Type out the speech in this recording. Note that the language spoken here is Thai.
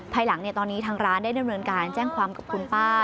ภายหลังตอนนี้ทางร้านได้ดำเนินการแจ้งความกับคุณป้า